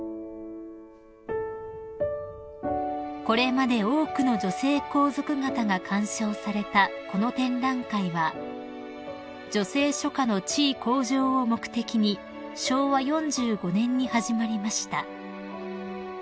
［これまで多くの女性皇族方が鑑賞されたこの展覧会は女性書家の地位向上を目的に昭和４５年に始まりました］